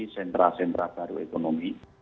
sentra sentra baru ekonomi